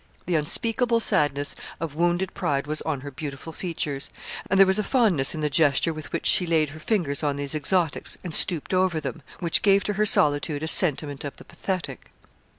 The unspeakable sadness of wounded pride was on her beautiful features, and there was a fondness in the gesture with which she laid her fingers on these exotics and stooped over them, which gave to her solitude a sentiment of the pathetic.